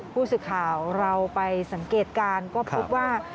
ผู้สื่อข่าวเราไปสังเกตการณ์ก็พบว่า